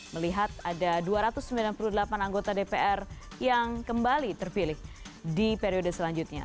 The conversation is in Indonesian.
melihat ada dua ratus sembilan puluh delapan anggota dpr yang kembali terpilih di periode selanjutnya